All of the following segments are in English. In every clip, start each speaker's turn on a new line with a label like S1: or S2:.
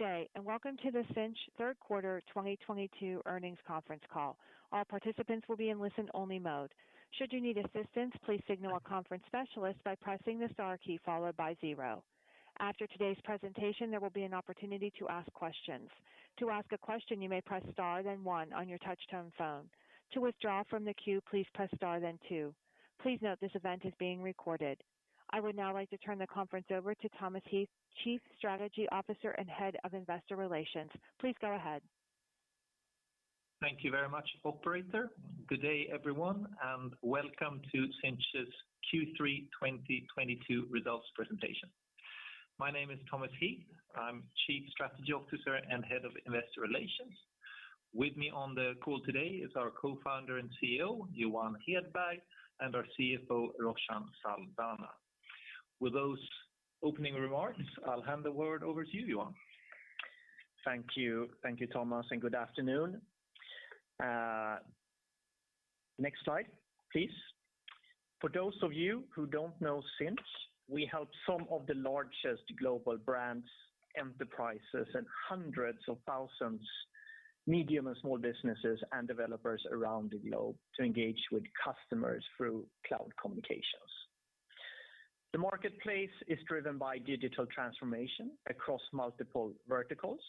S1: Good day, and welcome to the Sinch third quarter 2022 earnings conference call. All participants will be in listen-only mode. Should you need assistance, please signal a conference specialist by pressing the star key followed by zero. After today's presentation, there will be an opportunity to ask questions. To ask a question, you may press star then one on your touch-tone phone. To withdraw from the queue, please press star then two. Please note this event is being recorded. I would now like to turn the conference over to Thomas Heath, Chief Strategy Officer and Head of Investor Relations. Please go ahead.
S2: Thank you very much, operator. Good day, everyone, and welcome to Sinch's Q3 2022 results presentation. My name is Thomas Heath. I'm Chief Strategy Officer and Head of Investor Relations. With me on the call today is our Co-Founder and CEO, Johan Hedberg, and our CFO, Roshan Saldanha. With those opening remarks, I'll hand the word over to you, Johan.
S3: Thank you. Thank you, Thomas, and good afternoon. Next slide please. For those of you who don't know Sinch, we help some of the largest global brands, enterprises, and hundreds of thousands medium and small businesses and developers around the globe to engage with customers through cloud communications. The marketplace is driven by digital transformation across multiple verticals.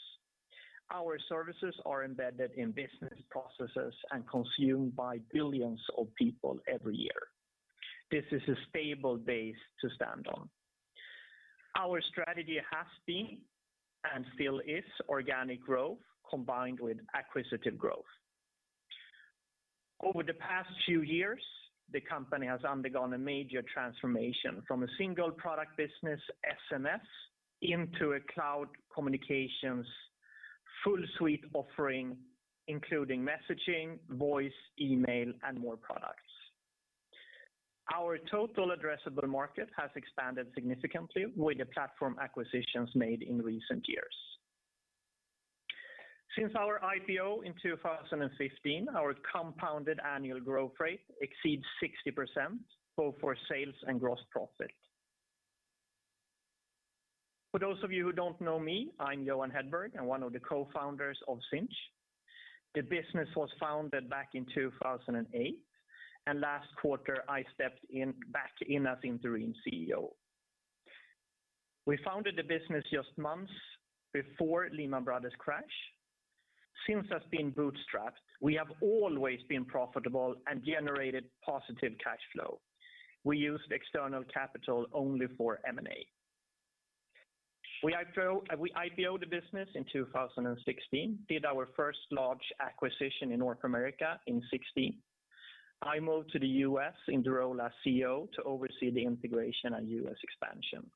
S3: Our services are embedded in business processes and consumed by billions of people every year. This is a stable base to stand on. Our strategy has been, and still is, organic growth combined with acquisitive growth. Over the past few years, the company has undergone a major transformation from a single product business, SMS, into a cloud communications full suite offering, including messaging, voice, email, and more products. Our total addressable market has expanded significantly with the platform acquisitions made in recent years. Since our IPO in 2015, our compounded annual growth rate exceeds 60%, both for sales and gross profit. For those of you who don't know me, I'm Johan Hedberg. I'm one of the co-founders of Sinch. The business was founded back in 2008, and last quarter, I stepped back in as interim CEO. We founded the business just months before Lehman Brothers crash. Sinch has been bootstrapped. We have always been profitable and generated positive cash flow. We used external capital only for M&A. We IPO'd the business in 2016, did our first large acquisition in North America in 2016. I moved to the U.S. in the role as CEO to oversee the integration and U.S. expansion.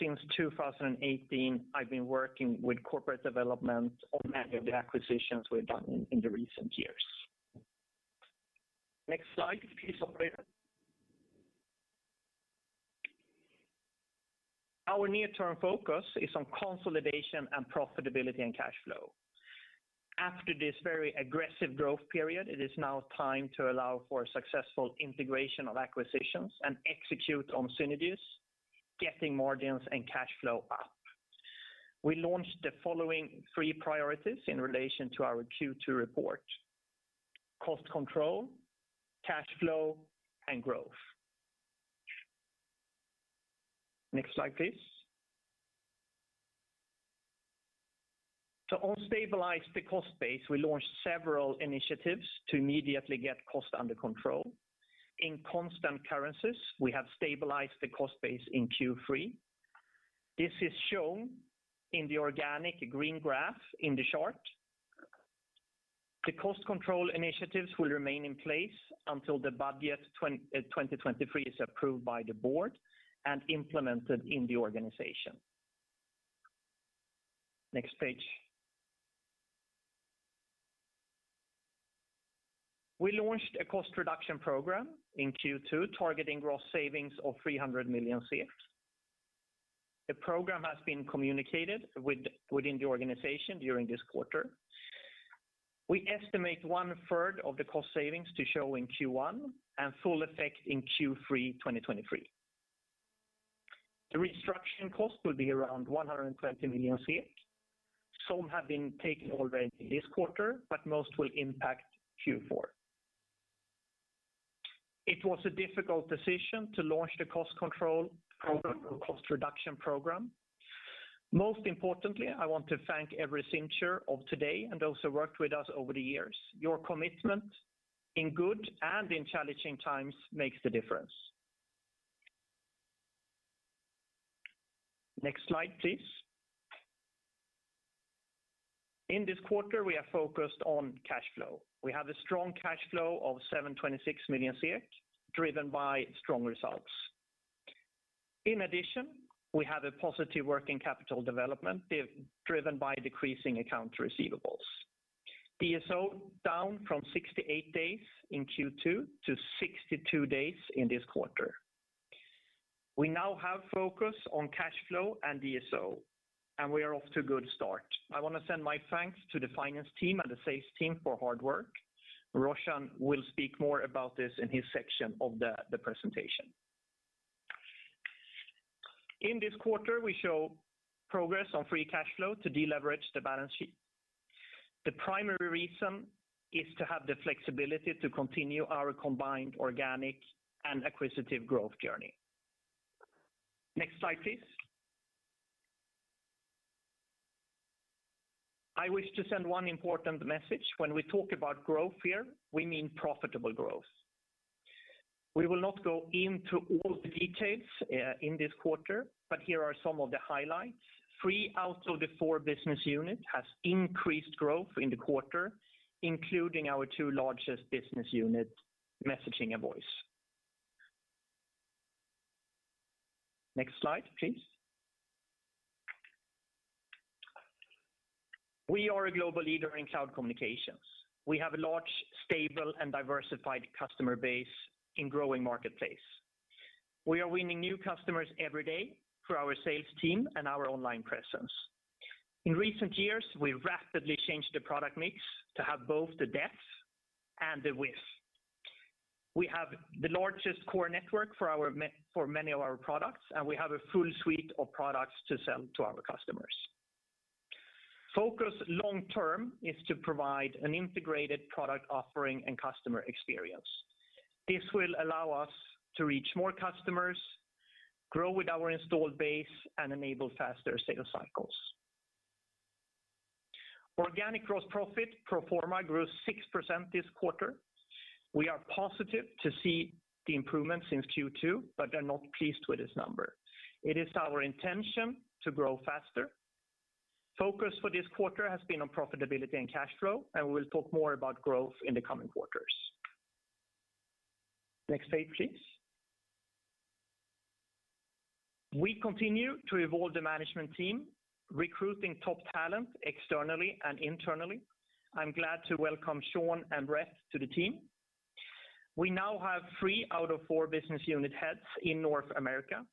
S3: Since 2018, I've been working with corporate development on many of the acquisitions we've done in the recent years. Next slide please, operator. Our near-term focus is on consolidation and profitability and cash flow. After this very aggressive growth period, it is now time to allow for successful integration of acquisitions and execute on synergies, getting margins and cash flow up. We launched the following three priorities in relation to our Q2 report, cost control, cash flow, and growth. Next slide, please. To also stabilize the cost base, we launched several initiatives to immediately get cost under control. In constant currencies, we have stabilized the cost base in Q3. This is shown in the organic green graph in the chart. The cost control initiatives will remain in place until the budget 2023 is approved by the board and implemented in the organization. Next page. We launched a cost reduction program in Q2, targeting gross savings of 300 million (Swedish Krona). The program has been communicated within the organization during this quarter. We estimate one-third of the cost savings to show in Q1 and full effect in Q3 2023. The restructuring cost will be around 120 million (Swedish Krona). Some have been taken already this quarter, but most will impact Q4. It was a difficult decision to launch the cost control program or cost reduction program. Most importantly, I want to thank every Sincher of today and also worked with us over the years. Your commitment in good and in challenging times makes the difference. Next slide, please. In this quarter, we are focused on cash flow. We have a strong cash flow of 726 million (Swedish Krona), driven by strong results. In addition, we have a positive working capital development, driven by decreasing accounts receivable. DSO down from 68 days in Q2 to 62 days in this quarter. We now have focus on cash flow and DSO, and we are off to a good start. I wanna send my thanks to the finance team and the sales team for hard work. Roshan will speak more about this in his section of the presentation. In this quarter, we show progress on free cash flow to deleverage the balance sheet. The primary reason is to have the flexibility to continue our combined organic and acquisitive growth journey. Next slide, please. I wish to send one important message. When we talk about growth here, we mean profitable growth. We will not go into all the details in this quarter, but here are some of the highlights. Three out of the four business unit has increased growth in the quarter, including our two largest business unit, messaging and voice. Next slide, please. We are a global leader in cloud communications. We have a large, stable, and diversified customer base in growing marketplace. We are winning new customers every day through our sales team and our online presence. In recent years, we've rapidly changed the product mix to have both the depth and the width. We have the largest core network for many of our products, and we have a full suite of products to sell to our customers. Focus long-term is to provide an integrated product offering and customer experience. This will allow us to reach more customers, grow with our installed base, and enable faster sales cycles. Organic gross profit pro forma grew 6% this quarter. We are positive to see the improvement since Q2, but are not pleased with this number. It is our intention to grow faster. Focus for this quarter has been on profitability and cash flow, and we'll talk more about growth in the coming quarters. Next page, please. We continue to evolve the management team, recruiting top talent externally and internally. I'm glad to welcome Sean and Brett to the team. We now have three out of four business unit heads in North America.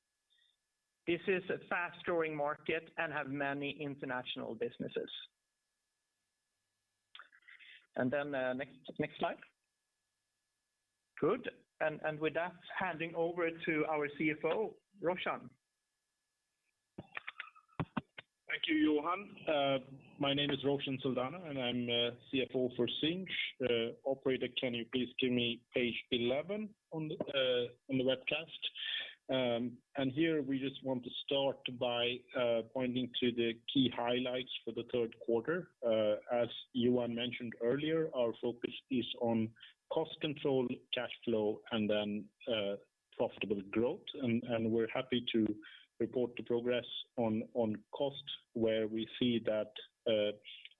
S3: This is a fast-growing market and we have many international businesses. Then, next slide. Good. With that, handing over to our CFO, Roshan.
S4: Thank you, Johan. My name is Roshan Saldanha, and I'm CFO for Sinch. Operator, can you please give me page 11 on the webcast? Here we just want to start by pointing to the key highlights for the third quarter. As Johan mentioned earlier, our focus is on cost control, cash flow, and then profitable growth. We're happy to report the progress on cost, where we see that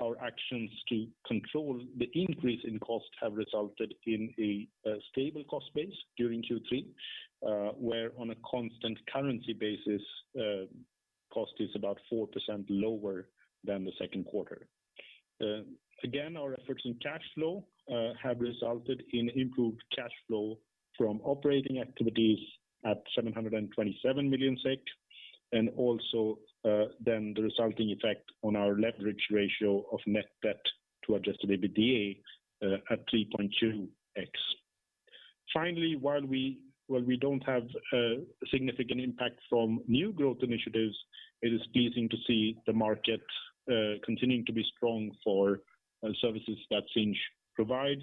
S4: our actions to control the increase in cost have resulted in a stable cost base during Q3, where on a constant currency basis, cost is about 4% lower than the second quarter. Again, our efforts in cash flow have resulted in improved cash flow from operating activities at 727 million (Swedish Krona), and also, then the resulting effect on our leverage ratio of net debt to adjusted EBITDA at 3.2x. Finally, while we don't have a significant impact from new growth initiatives, it is pleasing to see the market continuing to be strong for services that Sinch provides,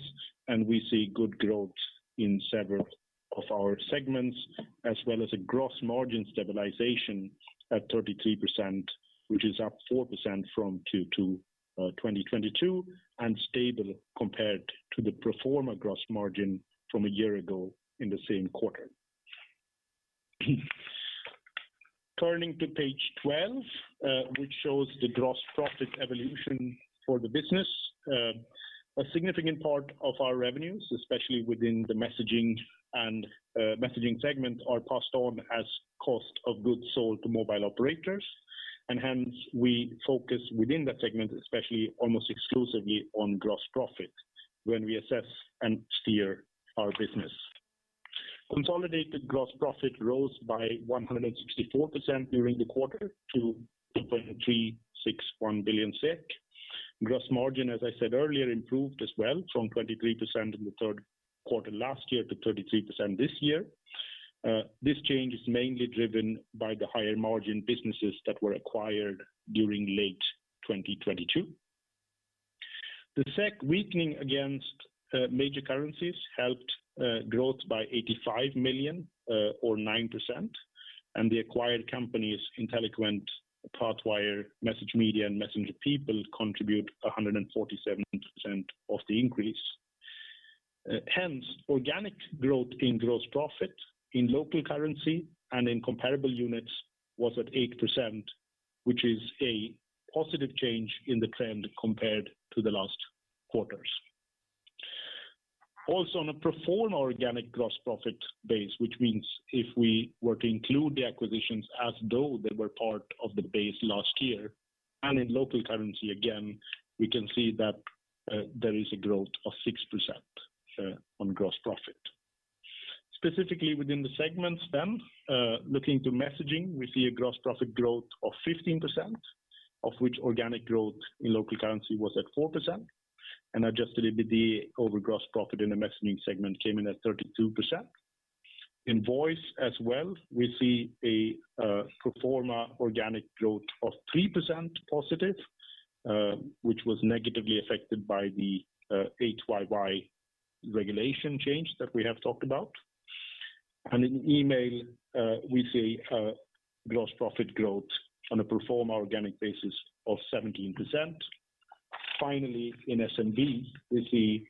S4: and we see good growth in several of our segments, as well as a gross margin stabilization at 33%, which is up 4% from Q2 2022, and stable compared to the pro forma gross margin from a year ago in the same quarter. Turning to page 12, which shows the gross profit evolution for the business. A significant part of our revenues, especially within the messaging segment, are passed on as cost of goods sold to mobile operators. Hence we focus within that segment, especially almost exclusively on gross profit when we assess and steer our business. Consolidated gross profit rose by 164% during the quarter to 2.361 billion (Swedish Krona). Gross margin, as I said earlier, improved as well from 23% in the third quarter last year to 33% this year. This change is mainly driven by the higher margin businesses that were acquired during late 2022. The SEK weakening against major currencies helped growth by 85 million (Swedish Krona), or 9%. The acquired companies, Inteliquent, Pathwire, MessageMedia, and MessengerPeople, contribute 147% of the increase. Hence, organic growth in gross profit in local currency and in comparable units was at 8%, which is a positive change in the trend compared to the last quarters. Also, on a pro forma organic gross profit base, which means if we were to include the acquisitions as though they were part of the base last year, and in local currency again, we can see that there is a growth of 6% on gross profit. Specifically within the segments then, looking to messaging, we see a gross profit growth of 15%, of which organic growth in local currency was at 4%. Adjusted EBITDA over gross profit in the messaging segment came in at 32%. In voice as well, we see a pro forma organic growth of 3% positive, which was negatively affected by the 8YY regulation change that we have talked about. In email, we see a gross profit growth on a pro forma organic basis of 17%. Finally, in SMB, we see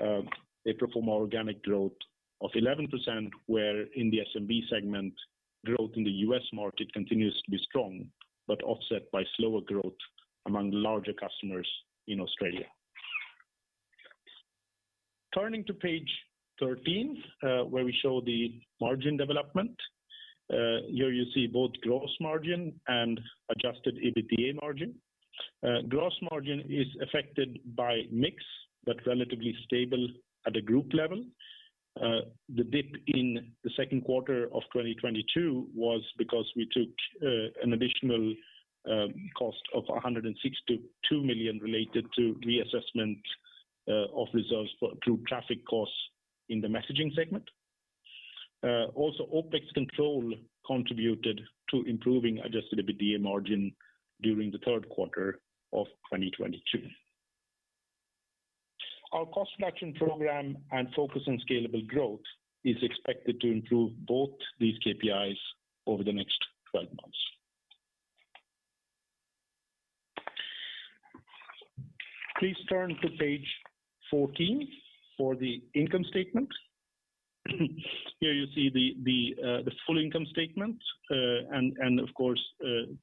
S4: a pro forma organic growth of 11%, where in the SMB segment, growth in the U.S. market continues to be strong, but offset by slower growth among larger customers in Australia. Turning to page 13, where we show the margin development. Here you see both gross margin and adjusted EBITDA margin. Gross margin is affected by mix, but relatively stable at the group level. The dip in the second quarter of 2022 was because we took an additional cost of 162 million (Swedish Krona) related to reassessment of reserves for through traffic costs in the messaging segment. Also, OpEx control contributed to improving adjusted EBITDA margin during the third quarter of 2022. Our cost reduction program and focus on scalable growth is expected to improve both these KPIs over the next 12 months. Please turn to page 14 for the income statement. Here you see the full income statement. Of course,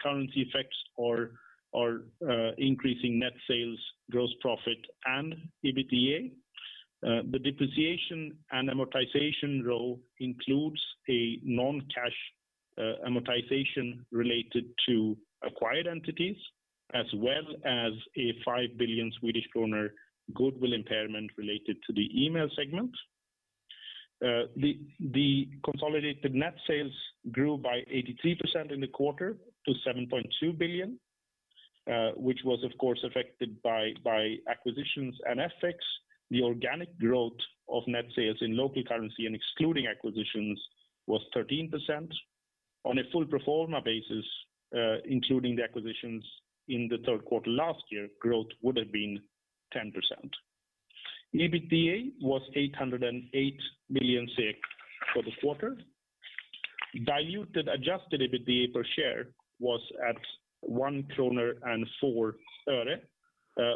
S4: currency effects are increasing net sales, gross profit and EBITDA. The depreciation and amortization row includes a non-cash amortization related to acquired entities, as well as a 5 billion (Swedish Krona) goodwill impairment related to the email segment. The consolidated net sales grew by 83% in the quarter to 7.2 billion (Swedish Krona), which was of course affected by acquisitions and FX. The organic growth of net sales in local currency and excluding acquisitions was 13%. On a full pro forma basis, including the acquisitions in the third quarter last year, growth would have been 10%. EBITDA was 808 million (Swedish Krona) for the quarter. Diluted adjusted EBITDA per share was at 1.04 (Swedish Krona)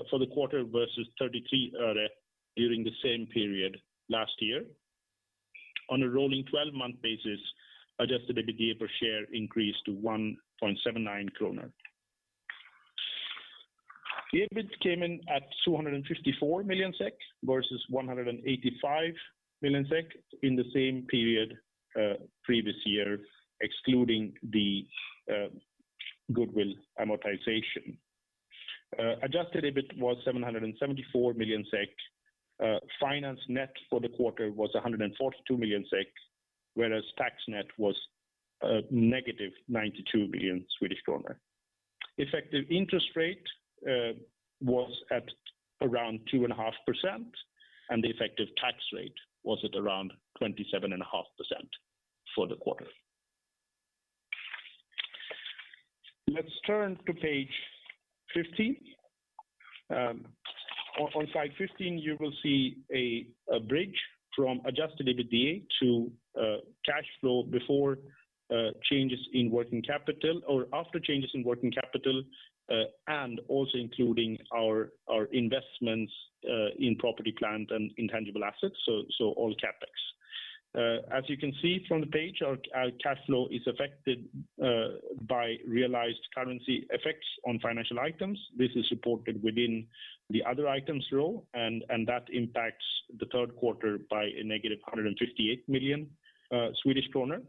S4: for the quarter versus 0.33 (Swedish Krona) during the same period last year. On a rolling 12-month basis, adjusted EBITDA per share increased to 1.79 (Swedish Krona). EBIT came in at 254 million (Swedish Krona) versus 185 million (Swedish Krona) in the same period previous year, excluding the goodwill amortization. Adjusted EBIT was 774 million (Swedish Krona). Finance net for the quarter was 142 million (Swedish Krona), whereas tax net was -92 billion (Swedish Krona). Effective interest rate was at around 2.5%, and the effective tax rate was at around 27.5% for the quarter. Let's turn to page 15. On slide 15, you will see a bridge from adjusted EBITDA to cash flow before changes in working capital or after changes in working capital, and also including our investments in property, plant, and intangible assets, so all CapEx. As you can see from the page, our cash flow is affected by realized currency effects on financial items. This is reported within the other items row, and that impacts the third quarter by -158 million (Swedish Krona).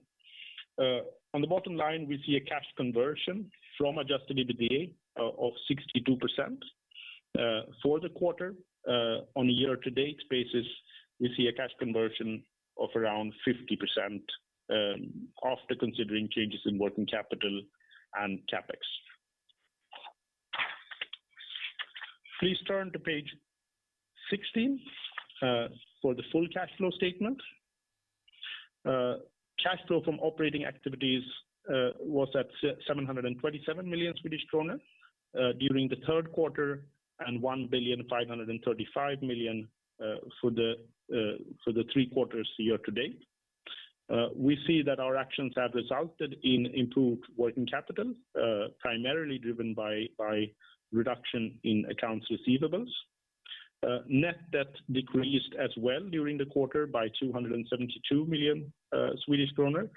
S4: On the bottom line, we see a cash conversion from adjusted EBITDA of 62%. For the quarter, on a year-to-date basis, we see a cash conversion of around 50%, after considering changes in working capital and CapEx. Please turn to page 16 for the full cash flow statement. Cash flow from operating activities was at 727 million (Swedish Krona) during the third quarter and 1,535 million (Swedish Krona) for the three quarters year-to-date. We see that our actions have resulted in improved working capital, primarily driven by reduction in accounts receivables. Net debt decreased as well during the quarter by 272 million (Swedish Krona)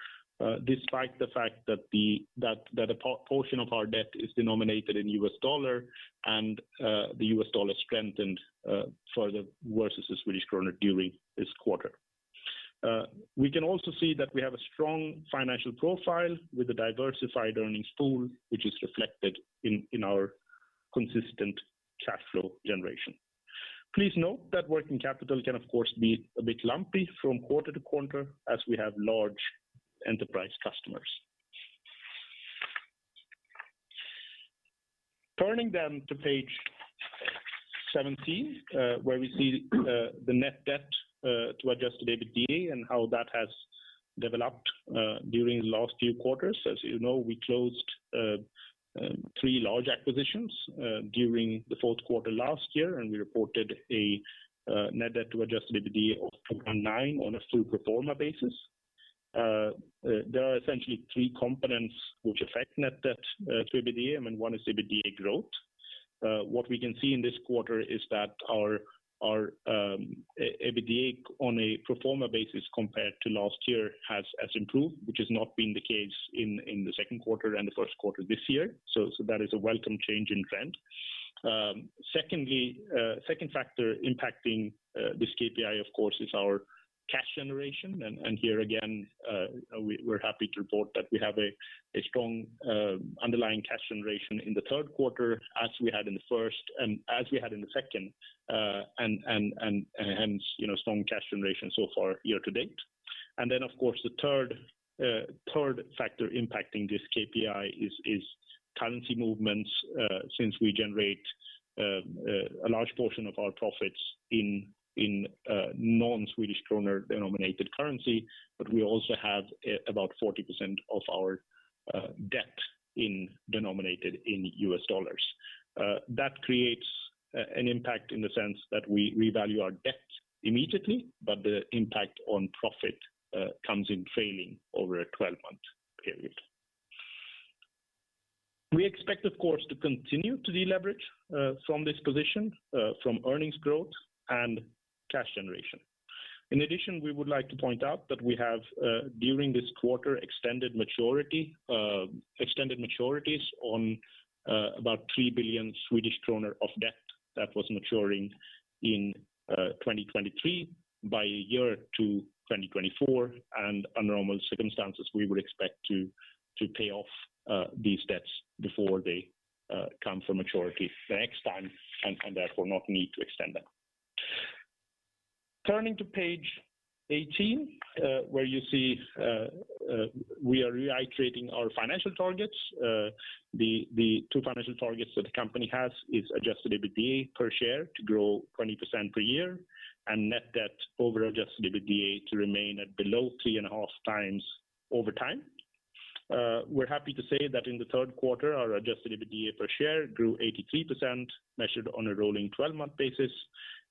S4: despite the fact that a portion of our debt is denominated in U.S. dollar and the U.S. dollar strengthened further versus the Swedish Krona during this quarter. We can also see that we have a strong financial profile with a diversified earnings pool, which is reflected in our consistent cash flow generation. Please note that working capital can of course be a bit lumpy from quarter to quarter as we have large enterprise customers. Turning to page 17, where we see the net debt to adjusted EBITDA and how that has developed during the last few quarters. As you know, we closed three large acquisitions during the fourth quarter last year, and we reported a net debt to adjusted EBITDA of 2.9 on a full pro forma basis. There are essentially three components which affect net debt to EBITDA, and one is EBITDA growth. What we can see in this quarter is that our EBITDA on a pro forma basis compared to last year has improved, which has not been the case in the second quarter and the first quarter this year. That is a welcome change in trend. Secondly, second factor impacting this KPI, of course, is our cash generation. Here again, we're happy to report that we have a strong underlying cash generation in the third quarter as we had in the first and as we had in the second. Hence, you know, strong cash generation so far year to date. Then, of course, the third factor impacting this KPI is currency movements since we generate a large portion of our profits in non-Swedish Krona denominated currency. But we also have about 40% of our debt denominated in US dollars. That creates an impact in the sense that we revalue our debt immediately, but the impact on profit comes in trailing over a 12-month period. We expect, of course, to continue to deleverage from this position from earnings growth and cash generation. In addition, we would like to point out that we have during this quarter extended maturities on about 3 billion (Swedish Krona) of debt that was maturing in 2023 by a year to 2024. Under normal circumstances, we would expect to pay off these debts before they come to maturity the next time and therefore not need to extend them. Turning to page 18, where you see we are reiterating our financial targets. The two financial targets that the company has is adjusted EBITDA per share to grow 20% per year and net debt over adjusted EBITDA to remain at below 3.5x over time. We're happy to say that in the third quarter, our adjusted EBITDA per share grew 83% measured on a rolling 12-month basis,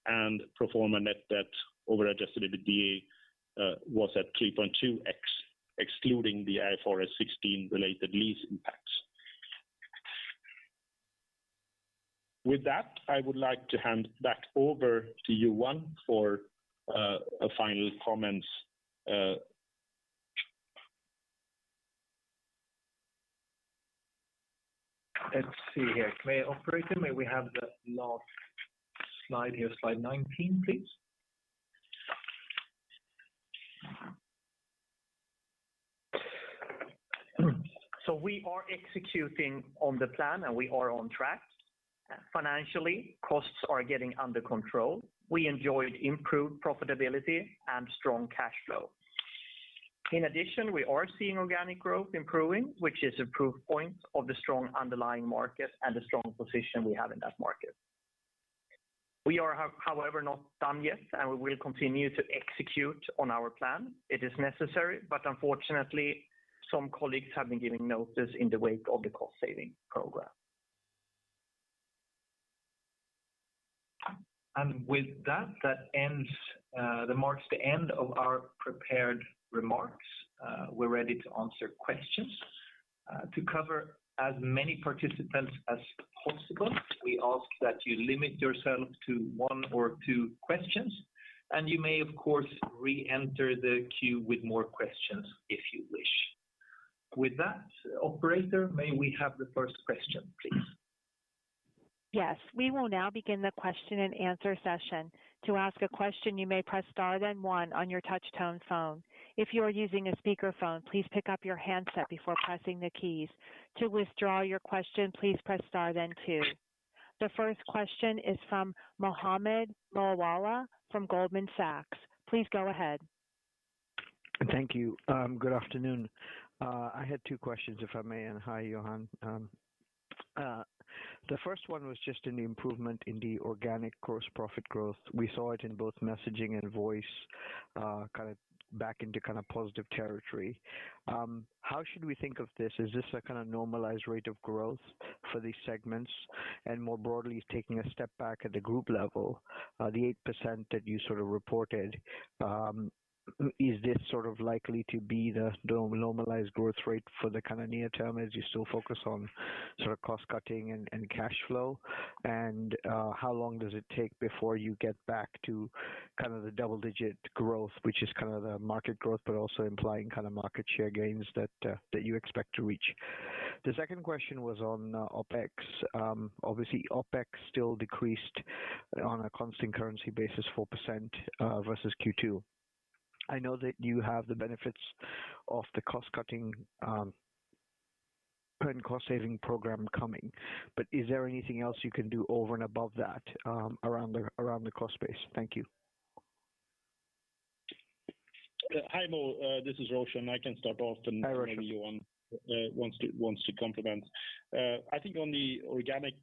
S4: and pro forma net debt over adjusted EBITDA was at 3.2x, excluding the IFRS 16 related lease impacts. With that, I would like to hand back over to you, Johan, for final comments.
S3: Let's see here. Operator, may we have the last slide here, slide 19, please. We are executing on the plan, and we are on track. Financially, costs are getting under control. We enjoyed improved profitability and strong cash flow. In addition, we are seeing organic growth improving, which is a proof point of the strong underlying market and the strong position we have in that market. We are, however, not done yet, and we will continue to execute on our plan. It is necessary, but unfortunately, some colleagues have been giving notice in the wake of the cost-saving program. With that marks the end of our prepared remarks. We're ready to answer questions. To cover as many participants as possible, we ask that you limit yourself to one or two questions, and you may, of course, re-enter the queue with more questions if you wish. With that, operator, may we have the first question, please?
S1: Yes. We will now begin the question-and-answer session. To ask a question, you may press star then one on your touchtone phone. If you are using a speakerphone, please pick up your handset before pressing the keys. To withdraw your question, please press star then two. The first question is from Mohammed Moawalla from Goldman Sachs. Please go ahead.
S5: Thank you. Good afternoon. I had two questions, if I may. Hi, Johan. The first one was just an improvement in the organic gross profit growth. We saw it in both messaging and voice, kinda back into kinda positive territory. How should we think of this? Is this a kinda normalized rate of growth for these segments? More broadly, taking a step back at the group level, the 8% that you sort of reported, is this sort of likely to be the normalized growth rate for the kinda near term as you still focus on sorta cost-cutting and cash flow? How long does it take before you get back to kind of the double-digit growth, which is kind of the market growth, but also implying kinda market share gains that you expect to reach? The second question was on OpEx. Obviously OpEx still decreased on a constant currency basis, 4%, versus Q2. I know that you have the benefits of the cost-cutting current cost saving program coming, but is there anything else you can do over and above that, around the cost base? Thank you.
S4: Hi Mo, this is Roshan. I can start off.
S5: Hi, Roshan....
S4: and maybe Johan wants to complement. I think on the organic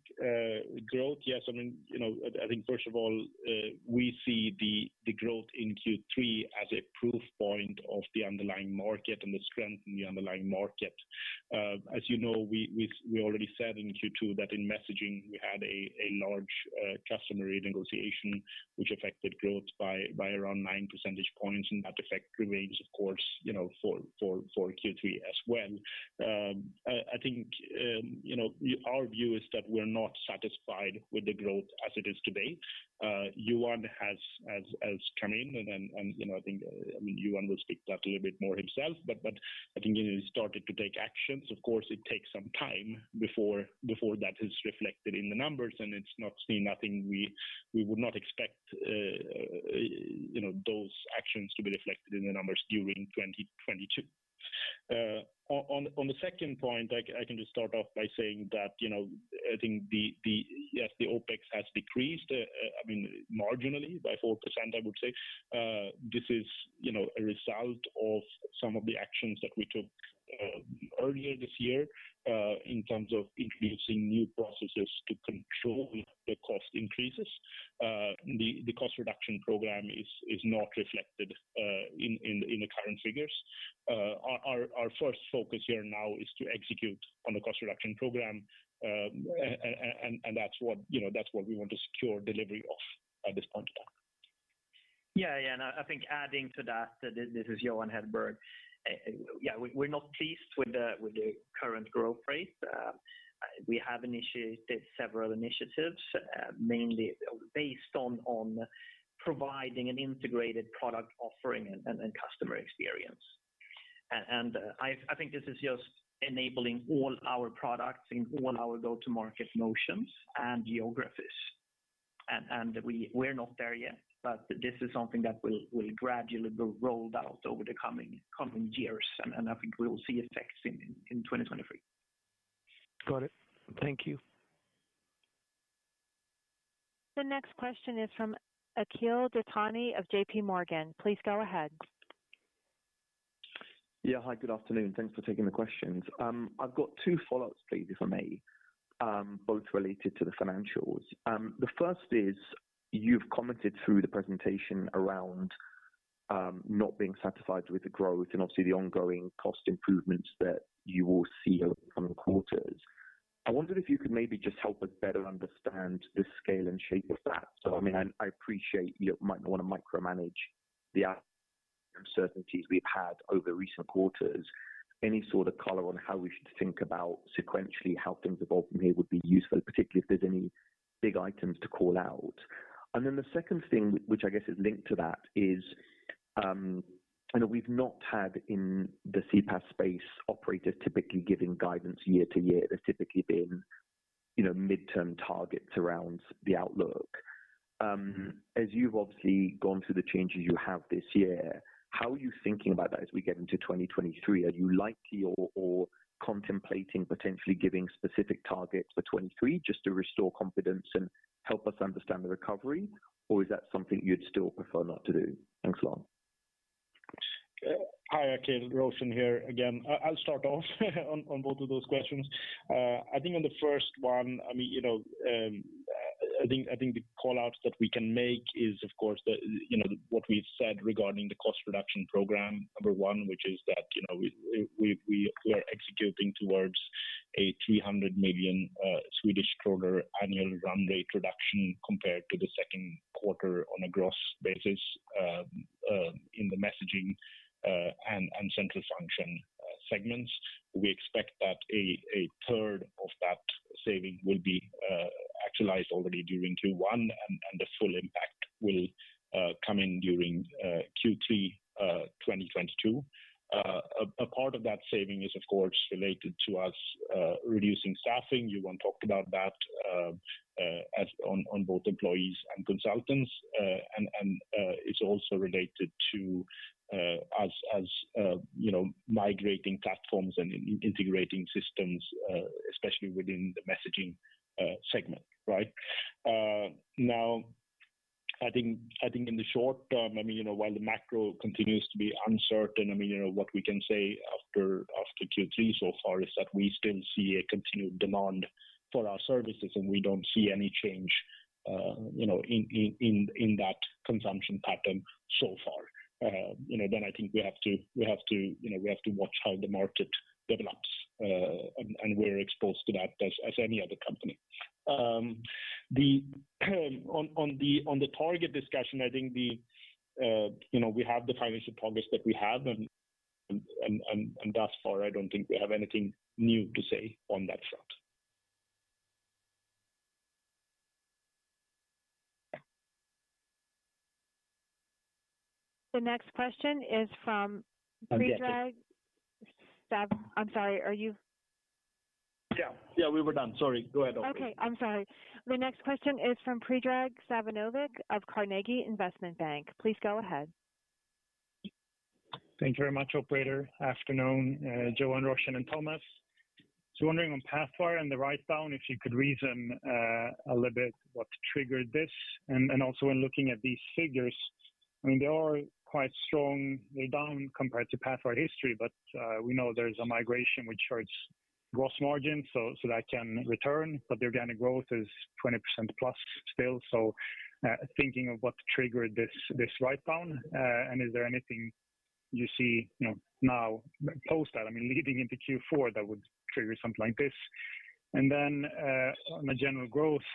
S4: growth. Yes, I mean, you know, I think first of all, we see the growth in Q3 as a proof point of the underlying market and the strength in the underlying market. As you know, we already said in Q2 that in messaging we had a large customer renegotiation which affected growth by around 9 percentage points. That effect remains of course, you know, for Q3 as well. I think, you know, our view is that we're not satisfied with the growth as it is today. Johan has come in and you know, I think, I mean, Johan will speak to that a little bit more himself, but I think he started to take actions. Of course, it takes some time before that is reflected in the numbers, and it's nothing we would not expect, you know, those actions to be reflected in the numbers during 2022. On the second point, I can just start off by saying that, you know, I think the. Yes, the OpEx has decreased, I mean, marginally by 4%, I would say. This is, you know, a result of some of the actions that we took earlier this year, in terms of introducing new processes to control the cost increases. The cost reduction program is not reflected in the current figures. Our first focus here now is to execute on the cost reduction program. That's what, you know, that's what we want to secure delivery of at this point in time.
S3: Yeah. Yeah. I think adding to that, this is Johan Hedberg. Yeah, we're not pleased with the current growth rate. We have initiated several initiatives, mainly based on providing an integrated product offering and customer experience. I think this is just enabling all our products in our go-to-market motions and geographies. We're not there yet, but this is something that will gradually be rolled out over the coming years. I think we will see effects in 2023.
S5: Got it. Thank you.
S1: The next question is from Akhil Dattani of JPMorgan. Please go ahead.
S6: Yeah. Hi, good afternoon. Thanks for taking the questions. I've got two follow-ups please, if I may, both related to the financials. The first is, you've commented through the presentation around, not being satisfied with the growth and obviously the ongoing cost improvements that you will see over the coming quarters. I wondered if you could maybe just help us better understand the scale and shape of that. I mean, I appreciate you might not wanna micromanage the uncertainties we've had over recent quarters. Any sort of color on how we should think about sequentially how things evolve from here would be useful? Particularly if there's any big items to call out. The second thing, which I guess is linked to that, is, I know we've not had in the CPaaS space operators typically giving guidance year to year. They've typically been, you know, midterm targets around the outlook. As you've obviously gone through the changes you have this year, how are you thinking about that as we get into 2023? Are you likely or contemplating potentially giving specific targets for 2023 just to restore confidence and help us understand the recovery? Or is that something you'd still prefer not to do? Thanks a lot.
S4: Hi, Akhil, Roshan here again. I'll start off on both of those questions. I think on the first one, I mean, you know, I think the callouts that we can make is of course the, you know, what we've said regarding the cost reduction program, number one, which is that, you know, we're executing towards a 300 million (Swedish Krona) annual run rate reduction compared to the second quarter on a gross basis, in the messaging and central function segments. We expect that a third of that saving will be actualized already during Q1, and the full impact will come in during Q3 2022. A part of that saving is of course related to us reducing staffing. Johan talked about that, action on both employees and consultants. It's also related to, you know, migrating platforms and integrating systems, especially within the messaging segment, right? Now I think in the short term, I mean, you know, while the macro continues to be uncertain, I mean, you know, what we can say after Q3 so far is that we still see a continued demand for our services, and we don't see any change, you know, in that consumption pattern so far. You know, I think we have to watch how the market develops, and we're exposed to that as any other company. On the target discussion, I think, you know, we have the financial progress that we have and thus far, I don't think we have anything new to say on that front.
S1: The next question is from Predrag Savinovic.
S4: I'm getting.
S1: I'm sorry, are you?
S4: Yeah, we were done. Sorry. Go ahead operator.
S1: Okay, I'm sorry. The next question is from Predrag Savinovic of Carnegie Investment Bank. Please go ahead.
S7: Thank you very much, operator. Afternoon, Johan, Roshan and Thomas. Wondering on Pathwire and the write-down, if you could reason a little bit what triggered this. Also in looking at these figures, I mean, they are quite strong write-down compared to Pathwire history, but we know there's a migration which hurts gross margin, so that can return, but the organic growth is 20%+ still. Thinking of what triggered this write-down, and is there anything you see, you know, now post that, I mean, leading into Q4 that would trigger something like this? Then on a general growth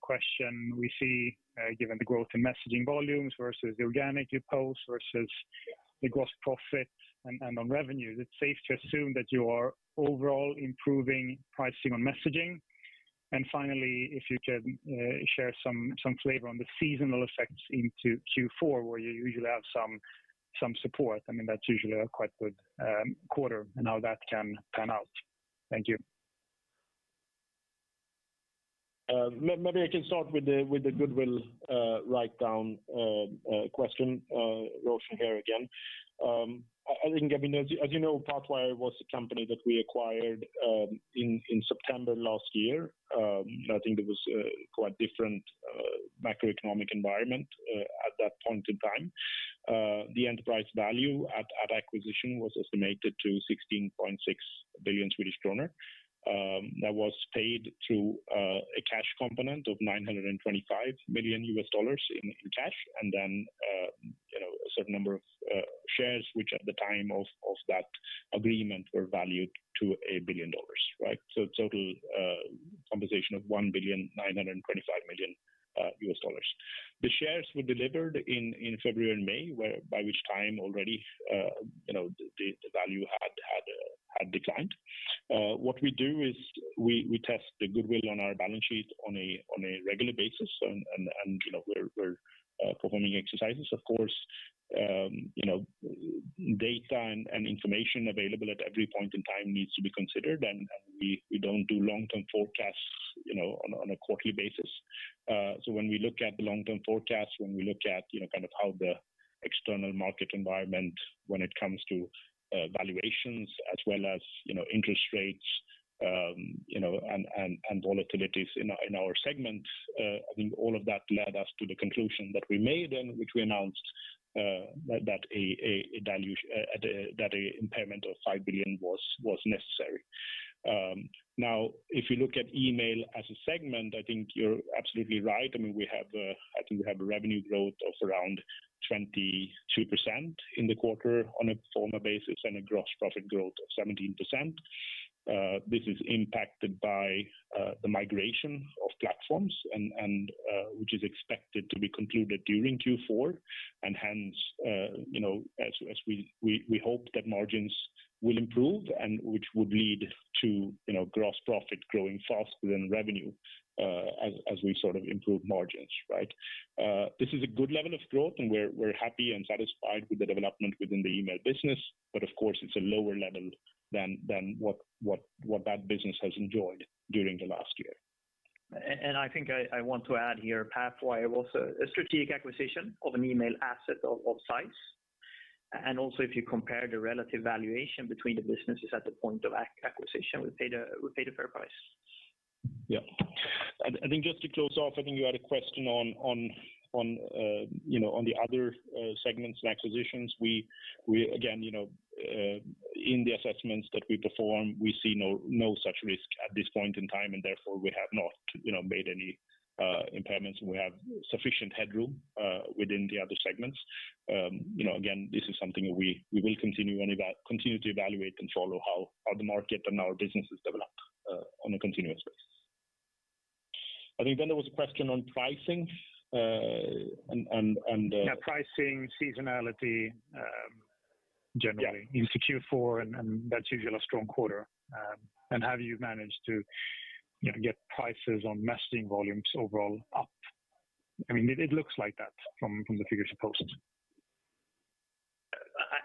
S7: question, we see given the growth in messaging volumes versus the organic growth you posted versus the gross profit and on revenues, it's safe to assume that you are overall improving pricing on messaging. Finally, if you can share some flavor on the seasonal effects into Q4, where you usually have some support. I mean, that's usually a quite good quarter, and how that can pan out? Thank you.
S4: Maybe I can start with the goodwill write down question, Roshan here again. I think, I mean, as you know, Pathwire was a company that we acquired in September last year. I think it was quite different macroeconomic environment at that point in time. The enterprise value at acquisition was estimated to 16.6 billion (Swedish Krona), that was paid through a cash component of $925 million in cash, and then, you know, a certain number of shares, which at the time of that agreement were valued to $1 billion, right? Total compensation of $1.925 billion. The shares were delivered in February and May, by which time already, you know, the value had declined. What we do is we test the goodwill on our balance sheet on a regular basis and, you know, we're performing exercises, of course. You know, data and information available at every point in time needs to be considered, and we don't do long-term forecasts, you know, on a quarterly basis. When we look at the long-term forecast, when we look at, you know, kind of how the external market environment when it comes to valuations as well as, you know, interest rates, you know, and volatilities in our segments, I think all of that led us to the conclusion that we made and which we announced, that an impairment of 5 billion (Swedish Krona) was necessary. Now if you look at email as a segment, I think you're absolutely right. I mean, we have, I think we have a revenue growth of around 22% in the quarter on a pro forma basis and a gross profit growth of 17%. This is impacted by the migration of platforms, which is expected to be concluded during Q4. Hence, you know, as we hope that margins will improve and which would lead to, you know, gross profit growing faster than revenue, as we sort of improve margins, right? This is a good level of growth, and we're happy and satisfied with the development within the email business, but of course, it's a lower level than what that business has enjoyed during the last year.
S3: I think I want to add here, Pathwire was a strategic acquisition of an email asset of size. Also, if you compare the relative valuation between the businesses at the point of acquisition, we paid a fair price.
S4: Yeah. I think just to close off, I think you had a question on, you know, on the other segments and acquisitions. We again, you know, in the assessments that we perform, we see no such risk at this point in time, and therefore we have not, you know, made any impairments, and we have sufficient headroom within the other segments. You know, again, this is something we will continue to evaluate and follow how the market and our businesses develop on a continuous basis. I think then there was a question on pricing, and
S7: Yeah, pricing, seasonality, generally.
S4: Yeah.
S7: Into Q4 and that's usually a strong quarter. Have you managed to, you know, get prices on messaging volumes overall up? I mean, it looks like that from the figures you posted.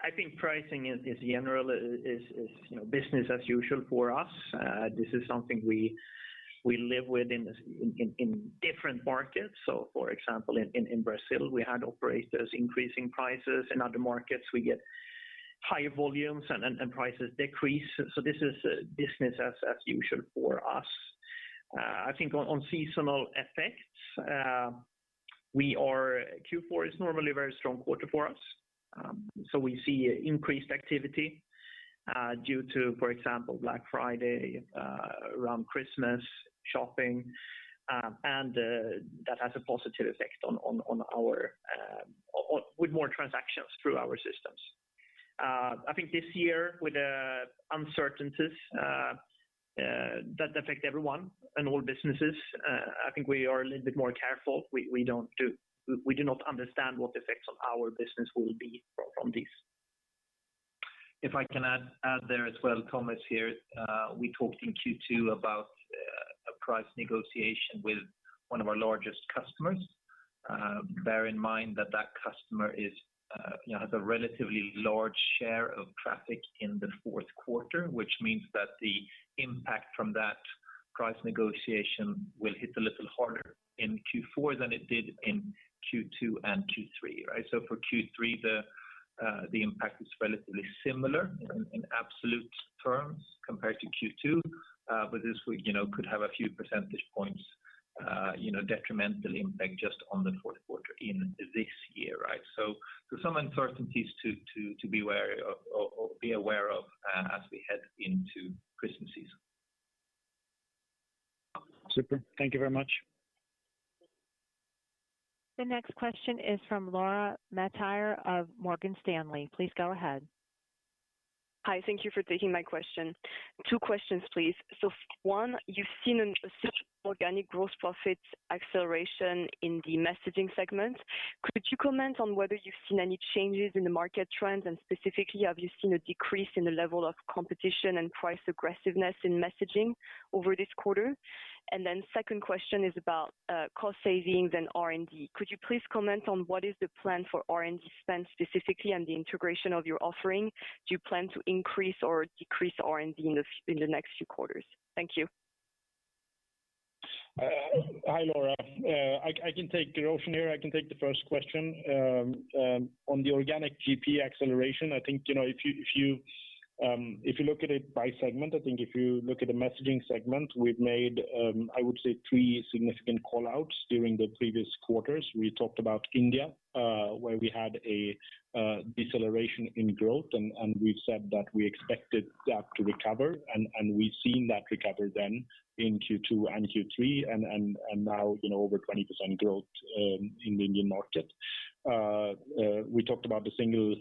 S3: I think pricing is generally, you know, business as usual for us. This is something we live with in different markets. For example, in Brazil, we had operators increasing prices. In other markets, we get higher volumes and prices decrease. This is business as usual for us. I think on seasonal effects, Q4 is normally a very strong quarter for us. We see increased activity due to, for example, Black Friday, around Christmas shopping, and that has a positive effect with more transactions through our systems. I think this year with uncertainties that affect everyone and all businesses, I think we are a little bit more careful. We do not understand what the effects on our business will be from this.
S2: If I can add there as well, Thomas here. We talked in Q2 about a price negotiation with one of our largest customers. Bear in mind that customer is, you know, has a relatively large share of traffic in the fourth quarter, which means that the impact from that price negotiation will hit a little harder in Q4 than it did in Q2 and Q3, right? For Q3, the impact is relatively similar in absolute terms compared to Q2. But this would, you know, could have a few percentage points, you know, detrimental impact just on the fourth quarter in this year, right? Some uncertainties to be wary of or be aware of, as we head into Christmas season.
S7: Super. Thank you very much.
S1: The next question is from Laura Metayer of Morgan Stanley. Please go ahead.
S8: Hi. Thank you for taking my question. Two questions, please. One, you've seen a significant organic growth profit acceleration in the messaging segment. Could you comment on whether you've seen any changes in the market trends? Specifically, have you seen a decrease in the level of competition and price aggressiveness in messaging over this quarter? Second question is about cost savings and R&D. Could you please comment on what is the plan for R&D spend specifically and the integration of your offering? Do you plan to increase or decrease R&D in the next few quarters? Thank you.
S4: Hi, Laura. Roshan here. I can take the first question. On the organic GP acceleration, I think, you know, if you look at it by segment, I think if you look at the messaging segment, we've made, I would say three significant call-outs during the previous quarters. We talked about India, where we had a deceleration in growth, and we've said that we expected that to recover and we've seen that recover then in Q2 and Q3 and now, you know, over 20% growth in the Indian market. We talked about the single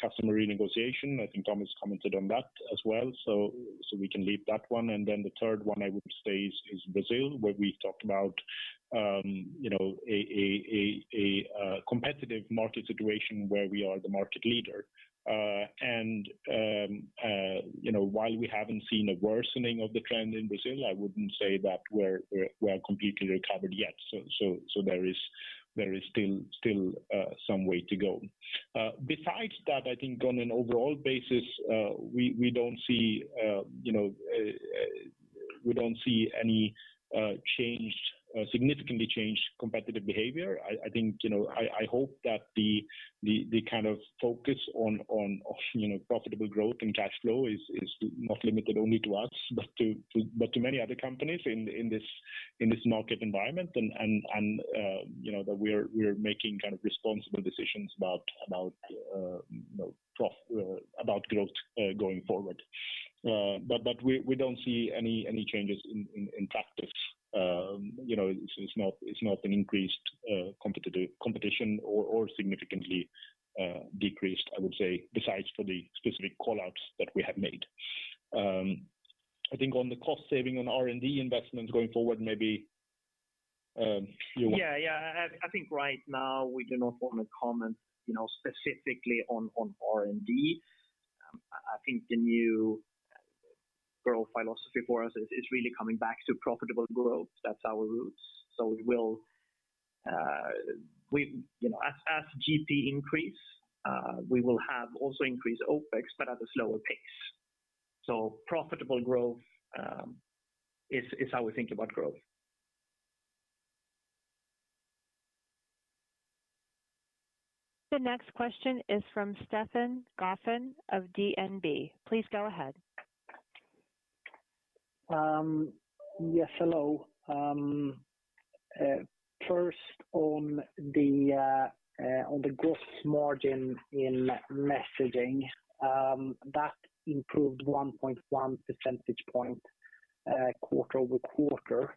S4: customer renegotiation. I think Tom has commented on that as well, so we can leave that one. Then the third one I would say is Brazil, where we talked about, you know, a competitive market situation where we are the market leader. You know, while we haven't seen a worsening of the trend in Brazil, I wouldn't say that we're completely recovered yet. There is still some way to go. Besides that, I think on an overall basis, we don't see, you know, any significantly changed competitive behavior. I think, you know, I hope that the kind of focus on, you know, profitable growth and cash flow is not limited only to U.S., but to many other companies in this market environment and, you know, that we're making kind of responsible decisions about, you know, about growth going forward. We don't see any changes in practice. It's not an increased competition or significantly decreased, I would say, besides for the specific call-outs that we have made. I think on the cost saving and R&D investment going forward, maybe you want-
S3: Yeah, yeah. I think right now we do not want to comment, you know, specifically on R&D. I think the new growth philosophy for us is really coming back to profitable growth. That's our roots. You know, as GP increase, we will have also increased OpEx but at a slower pace. Profitable growth is how we think about growth.
S1: The next question is from Stefan Gauffin of DNB. Please go ahead.
S9: Yes, hello. First on the gross margin in messaging, that improved 1.1 percentage point quarter-over-quarter.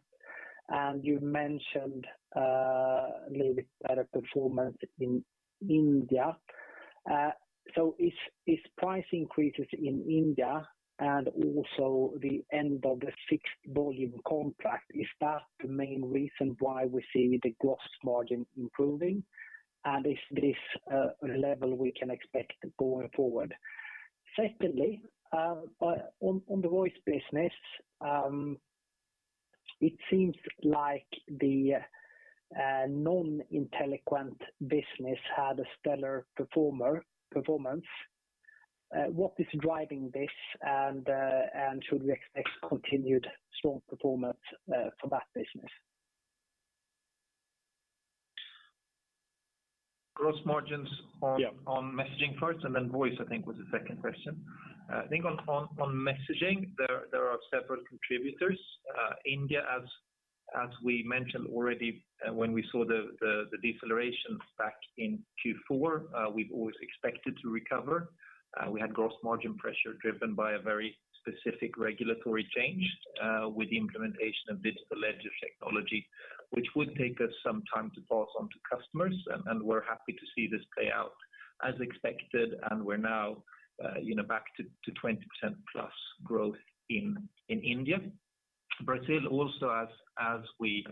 S9: You mentioned a little bit better performance in India. So, is price increases in India and also the end of the fixed volume contract the main reason why we're seeing the gross margin improving? And is this level we can expect going forward? Second, on the voice business, it seems like the non-Inteliquent business had a stellar performance. What is driving this? And should we expect continued strong performance for that business?
S3: Gross margins on.
S9: Yeah.
S3: On messaging first, and then voice, I think, was the second question. I think on messaging, there are several contributors. India, as we mentioned already, when we saw the deceleration back in Q4, we've always expected to recover. We had gross margin pressure driven by a very specific regulatory change, with the implementation of Distributed Ledger Technology, which would take us some time to pass on to customers. We're happy to see this play out as expected, and we're now, you know, back to 20%+ growth in India. Brazil also, we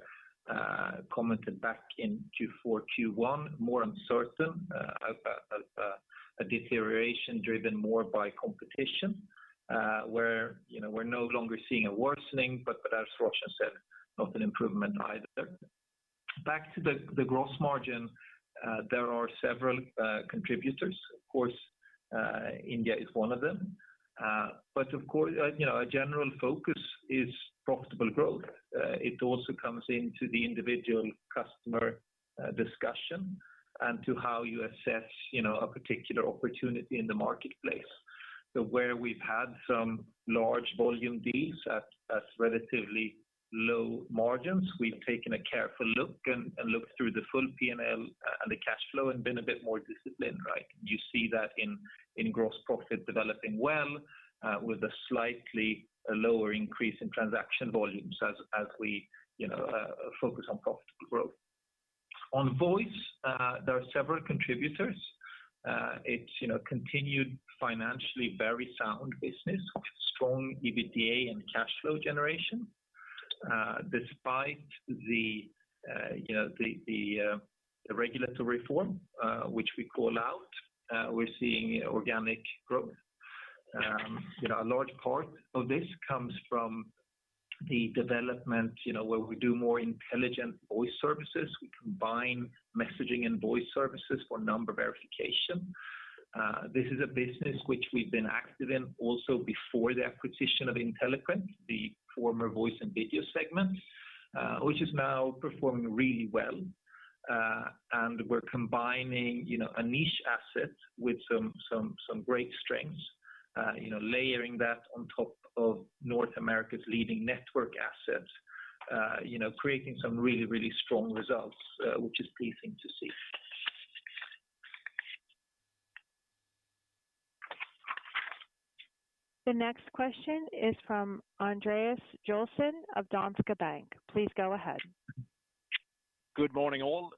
S3: commented back in Q4, Q1, more uncertain, as a deterioration driven more by competition, where you know we're no longer seeing a worsening, but as Roshan said, not an improvement either. Back to the gross margin, there are several contributors. Of course, India is one of them. Of course, you know, our general focus is profitable growth. It also comes into the individual customer discussion and to how you assess, you know, a particular opportunity in the marketplace. Where we've had some large volume deals at relatively low margins, we've taken a careful look and looked through the full P&L and the cash flow and been a bit more disciplined, right? You see that in gross profit developing well, with a slightly lower increase in transaction volumes as we, you know, focus on profitable growth. On voice, there are several contributors. It's, you know, continued financially very sound business with strong EBITDA and cash flow generation. Despite the regulatory reform, which we call out, we're seeing organic growth. You know, a large part of this comes from the development, you know, where we do more intelligent voice services. We combine messaging and voice services for number verification. This is a business which we've been active in also before the acquisition of Inteliquent, the former voice and video segment, which is now performing really well. We're combining, you know, a niche asset with some great strengths, you know, layering that on top of North America's leading network assets, you know, creating some really strong results, which is pleasing to see.
S1: The next question is from Andreas Joelsson of Danske Bank. Please go ahead.
S10: Good morning, all.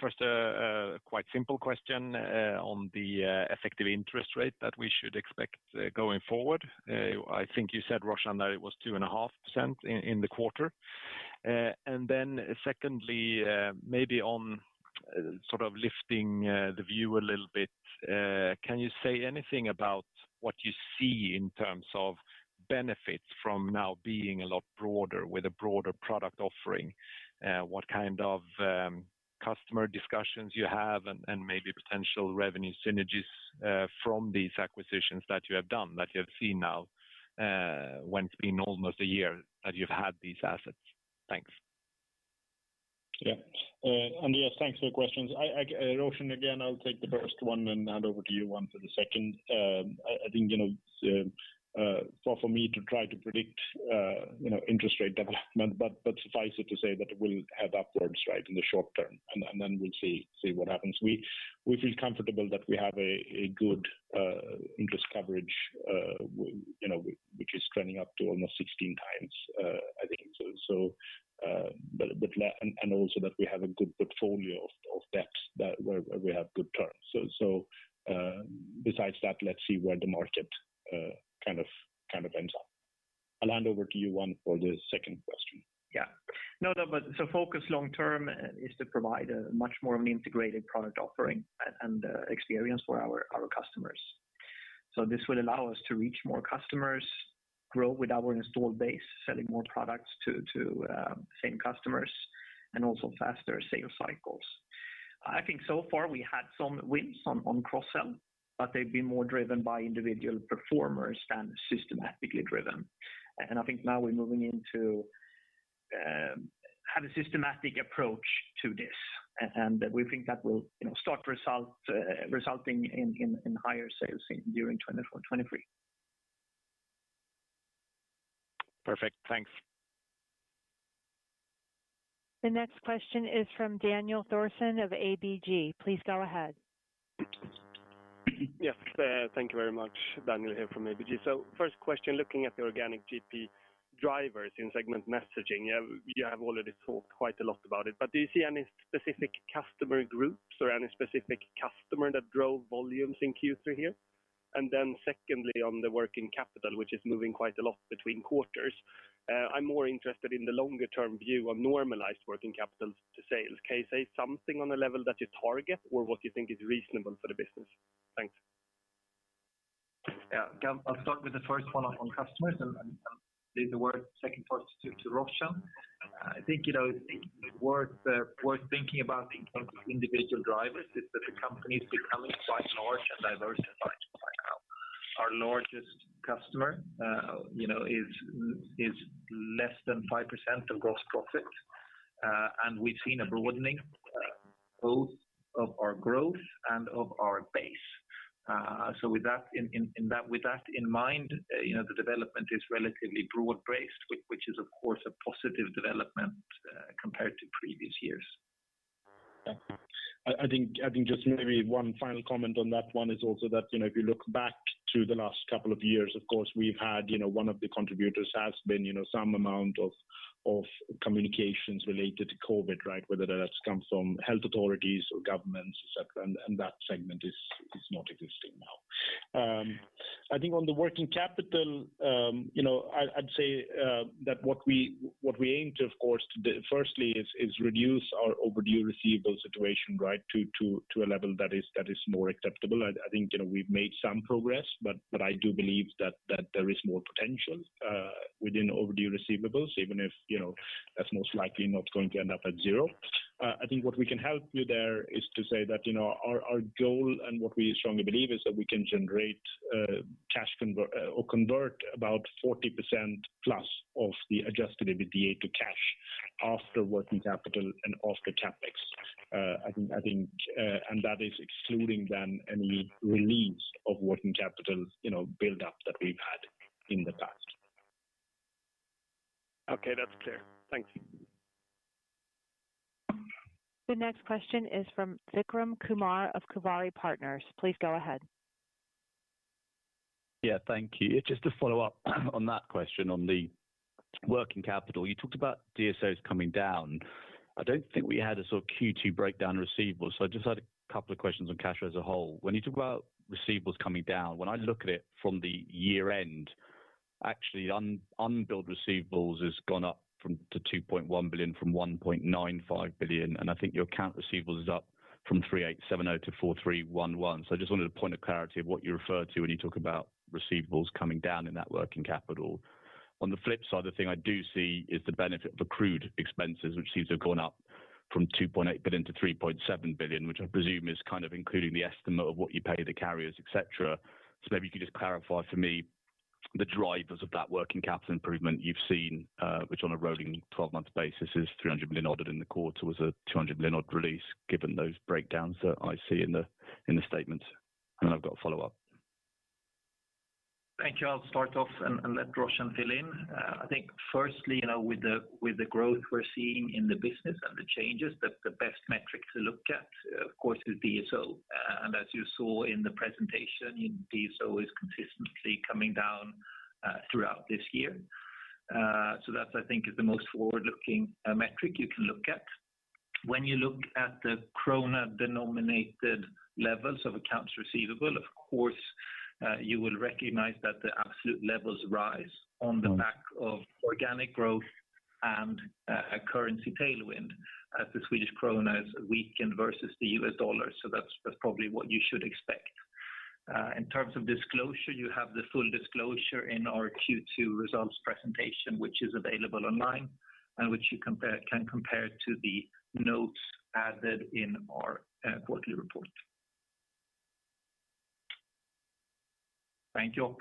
S10: First, a quite simple question on the effective interest rate that we should expect going forward. I think you said, Roshan, that it was 2.5% in the quarter. Then secondly, maybe on sort of lifting the view a little bit, can you say anything about what you see in terms of benefits from now being a lot broader with a broader product offering? What kind of customer discussions you have and maybe potential revenue synergies from these acquisitions that you have done, that you have seen now when it's been almost a year that you've had these assets? Thanks.
S4: Yeah. Andreas, thanks for the questions. Roshan, again, I'll take the first one and hand over to you for the second. I think, you know, it's hard for me to try to predict, you know, interest rate development, but suffice it to say that it will head upwards, right, in the short term, and then we'll see what happens. We feel comfortable that we have a good interest coverage, you know, which is trending up to almost 16 times, I think so. And also that we have a good portfolio of debts that, where we have good terms. Besides that, let's see where the market, kind of ends up. I'll hand over to Johan for the second question.
S3: Yeah. No, but the focus long term is to provide a much more of an integrated product offering and experience for our customers. This will allow us to reach more customers, grow with our installed base, selling more products to same customers, and also faster sales cycles. I think so far we had some wins on cross-sell, but they've been more driven by individual performers than systematically driven. I think now we're moving into having a systematic approach to this. We think that will start resulting in higher sales during 2024, 2023.
S10: Perfect. Thanks.
S1: The next question is from Daniel Thorsson of ABG. Please go ahead.
S11: Yes. Thank you very much. Daniel here from ABG. First question, looking at the organic GP drivers in segment messaging, you have already talked quite a lot about it, but do you see any specific customer groups or any specific customer that drove volumes in Q3 here? Secondly, on the working capital, which is moving quite a lot between quarters, I'm more interested in the longer term view on normalized working capital to sales. Can you say something on the level that you target or what you think is reasonable for the business? Thanks.
S3: I'll start with the first one on customers and leave the second part to Roshan. I think, you know, it's worth thinking about in terms of individual drivers that the company is becoming quite large and diversified by now. Our largest customer, you know, is less than 5% of gross profit, and we've seen a broadening both of our growth and of our base. With that in mind, you know, the development is relatively broad-based, which is of course a positive development compared to previous years.
S4: Yeah. I think just maybe one final comment on that one is also that, you know, if you look back to the last couple of years, of course, we've had, you know, one of the contributors has been, you know, some amount of communications related to COVID, right? Whether that's come from health authorities or governments, et cetera, and that segment is not existing now. I think on the working capital, you know, I'd say that what we aim to, of course, to do firstly is reduce our overdue receivables situation right to a level that is more acceptable. I think, you know, we've made some progress, but I do believe that there is more potential within overdue receivables, even if, you know, that's most likely not going to end up at zero. I think what we can help you there is to say that, you know, our goal and what we strongly believe is that we can generate or convert about 40%+ of the adjusted EBITDA to cash after working capital and after CapEx. That is excluding then any release of working capital, you know, buildup that we've had in the past.
S11: Okay. That's clear. Thank you.
S1: The next question is from Vikram Kumar of Kuvari Partners. Please go ahead.
S12: Yeah, thank you. Just to follow up on that question on the working capital. You talked about DSOs coming down. I don't think we had a sort of Q2 breakdown receivables, so I just had a couple of questions on cash flow as a whole. When you talk about receivables coming down, when I look at it from the year-end, actually unbilled receivables has gone up from 1.95 billion (Swedish Krona) to 2.1 billion (Swedish Krona), and I think your accounts receivable is up from 3,870 (Swedish Krona) to 4,311 (Swedish Krona). So I just wanted a point of clarity of what you refer to when you talk about receivables coming down in that working capital? On the flip side, the thing I do see is the benefit of accrued expenses, which seems to have gone up from 2.8 billion (Swedish Krona) to 3.7 billion (Swedish Krona), which I presume is kind of including the estimate of what you pay the carriers, et cetera. Maybe you could just clarify for me the drivers of that working capital improvement you've seen, which on a rolling 12-month basis is 300 million (Swedish Krona) other in the quarter was a 200 million (Swedish Krona)-odd release, given those breakdowns that I see in the statement. I've got a follow-up.
S3: Thank you. I'll start off and let Roshan fill in. I think firstly, you know, with the growth we're seeing in the business and the changes that the best metric to look at, of course, is DSO. As you saw in the presentation, DSO is consistently coming down throughout this year. That I think is the most forward-looking metric you can look at. When you look at the krona denominated levels of accounts receivable, of course, you will recognize that the absolute levels rise on the back of organic growth and currency tailwind as the Swedish krona has weakened versus the US dollar. That's probably what you should expect. In terms of disclosure, you have the full disclosure in our Q2 results presentation, which is available online and which you can compare to the notes added in our quarterly report.
S12: Thank you.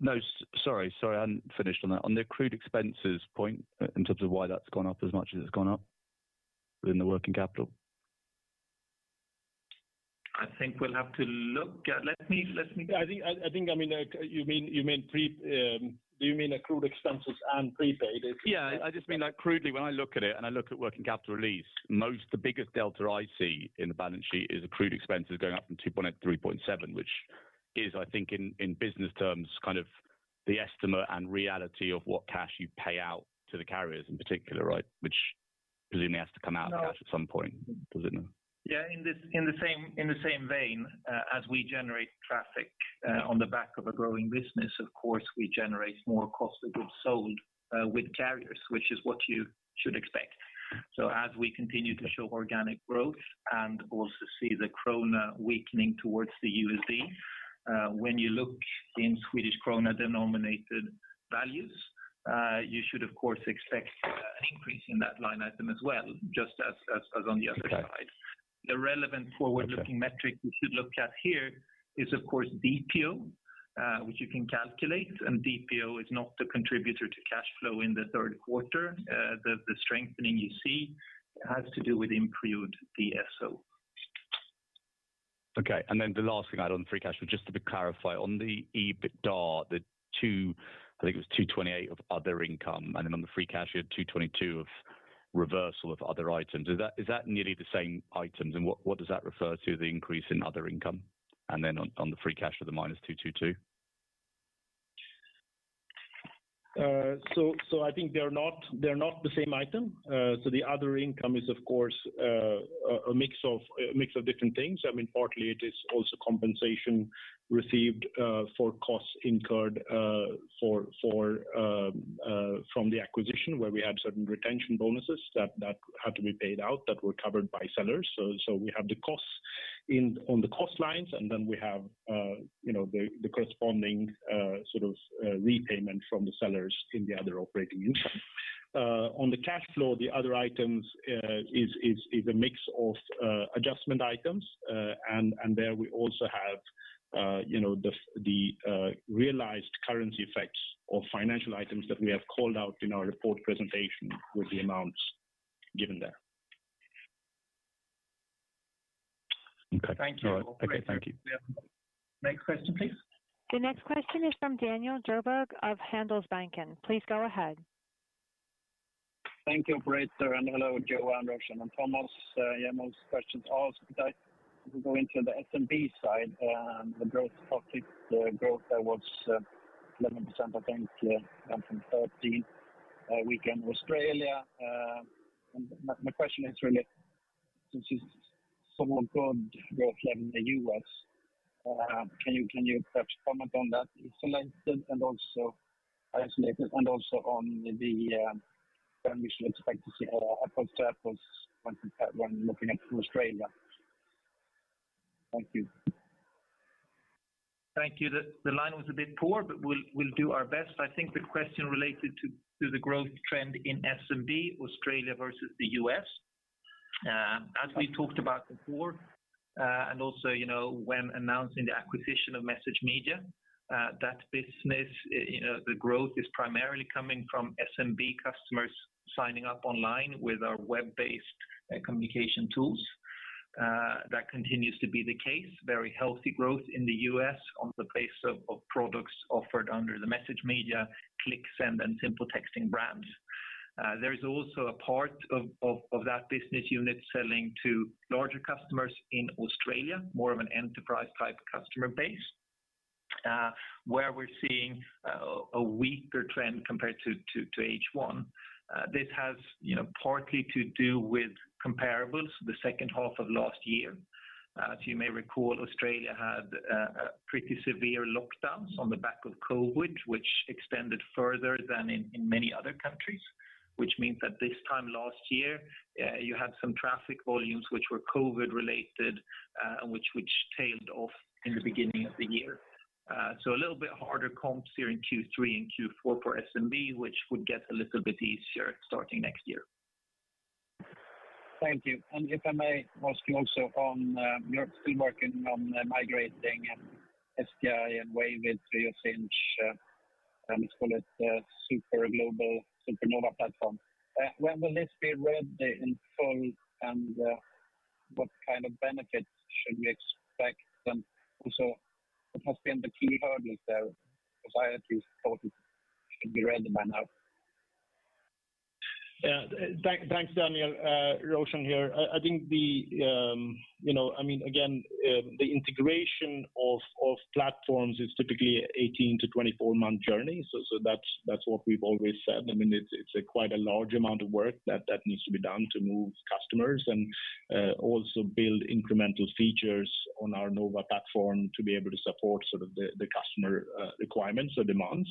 S12: No, sorry, I hadn't finished on that. On the accrued expenses point in terms of why that's gone up as much as it's gone up within the working capital.
S3: I think we'll have to look at. Let me.
S4: I think, I mean, you mean, do you mean accrued expenses and prepaid expenses?
S12: Yeah, I just mean like crudely when I look at it and I look at working capital release, mostly the biggest delta I see in the balance sheet is accrued expenses going up from 2.8-3.7 (Swedish Krona), which is I think in business terms kind of the estimate and reality of what cash you pay out to the carriers in particular, right? Which presumably has to come out of cash at some point, does it not?
S4: In the same vein, as we generate traffic on the back of a growing business, of course, we generate more cost of goods sold with carriers, which is what you should expect. As we continue to show organic growth and also see the krona weakening towards the USD, when you look in Swedish krona denominated values, you should of course expect an increase in that line item as well, just as on the other side.
S12: Okay.
S4: The relevant forward-looking metric we should look at here is of course DTO, which you can calculate, and DPO is not the contributor to cash flow in the third quarter. The strengthening you see has to do with improved DSO.
S12: Okay. The last thing I had on the free cash was just to clarify on the EBITDA, the 228 (Swedish Krona) of other income, and then on the free cash you had 222 (Swedish Krona) of reversal of other items. Is that nearly the same items? What does that refer to, the increase in other income and then on the free cash with the -222 (Swedish Krona)?
S4: I think they're not the same item. The other income is of course a mix of different things. I mean, partly it is also compensation received for costs incurred from the acquisition where we had certain retention bonuses that had to be paid out that were covered by sellers. We have the costs on the cost lines, and then we have you know the corresponding sort of repayment from the sellers in the other operating income. On the cash flow, the other items is a mix of adjustment items. There we also have, you know, the realized currency effects or financial items that we have called out in our report presentation with the amounts given there.
S12: Okay.
S3: Thank you.
S12: All right. Okay. Thank you.
S3: Next question, please.
S1: The next question is from Daniel Djurberg of Handelsbanken. Please go ahead.
S13: Thank you, operator, and hello, Johan, Roshan, and Thomas. Most questions asked, but I will go into the SMB side, the growth topic. The growth there was 11%, I think, down from 13%. Weak in Australia, and my question is really, since it's somewhat good growth in the U.S., can you perhaps comment on that isolated and also on the, when we should expect to see a positive force when looking at Australia? Thank you.
S3: Thank you. The line was a bit poor, but we'll do our best. I think the question related to the growth trend in SMB, Australia versus the U.S. As we talked about before, and also, you know, when announcing the acquisition of MessageMedia, that business, you know, the growth is primarily coming from SMB customers signing up online with our web-based communication tools. That continues to be the case, very healthy growth in the U.S. on the base of products offered under the MessageMedia, ClickSend, and SimpleTexting brands. There is also a part of that business unit selling to larger customers in Australia, more of an enterprise type customer base, where we're seeing a weaker trend compared to H1. This has, you know, partly to do with comparables the second half of last year. As you may recall, Australia had a pretty severe lockdowns on the back of COVID, which extended further than in many other countries. Which means that this time last year, you had some traffic volumes which were COVID related, and which tailed off in the beginning of the year. A little bit harder comps here in Q3 and Q4 for SMB, which would get a little bit easier starting next year.
S13: Thank you. If I may ask you also on you're still working on migrating SDI and Wavy through your Sinch, let's call it, super global, super Nova platform. When will this be ready in full and what kind of benefits should we expect? Also what has been the key hurdles there, why I at least thought it should be ready by now?
S4: Yeah. Thanks, Daniel. Roshan here. I think the you know, I mean, again, the integration of platforms is typically 18-24 month journey. That's what we've always said. I mean, it's quite a large amount of work that needs to be done to move customers and also build incremental features on our Nova platform to be able to support sort of the customer requirements or demands.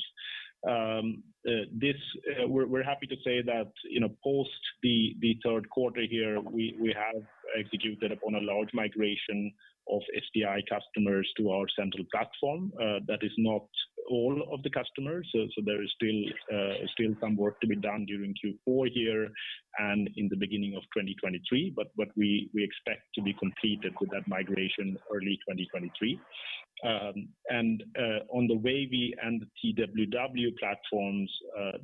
S4: We're happy to say that, you know, post the third quarter here, we have executed upon a large migration of SDI customers to our central platform. That is not all of the customers. There is still some work to be done during Q4 here and in the beginning of 2023. We expect to be completed with that migration early 2023. On the Wavy and the TWW platforms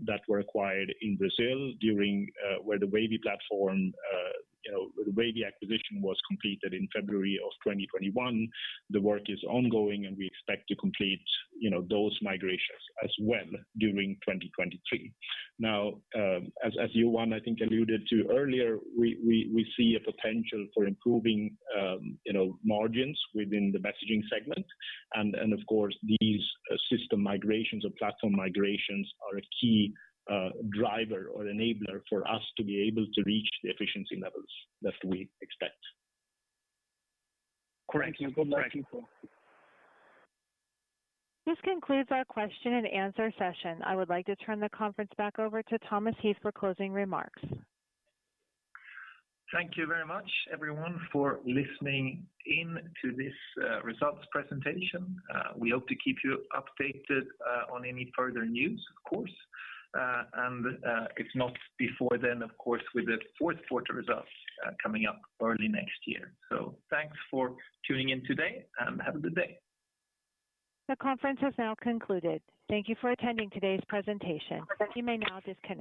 S4: that were acquired in Brazil, where the Wavy platform, you know, the Wavy acquisition was completed in February of 2021. The work is ongoing, and we expect to complete, you know, those migrations as well during 2023. Now, as Johan, I think alluded to earlier, we see a potential for improving, you know, margins within the messaging segment. Of course these system migrations or platform migrations are a key driver or enabler for us to be able to reach the efficiency levels that we expect.
S2: Correct.
S13: Thank you. Good luck, people.
S1: This concludes our question and answer session. I would like to turn the conference back over to Thomas Heath for closing remarks.
S2: Thank you very much everyone for listening in to this results presentation. We hope to keep you updated on any further news of course. If not before then, of course, with the fourth quarter results coming up early next year. Thanks for tuning in today and have a good day.
S1: The conference has now concluded. Thank you for attending today's presentation. You may now disconnect.